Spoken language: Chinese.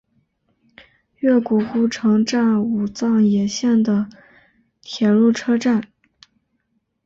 越谷湖城站武藏野线的铁路车站。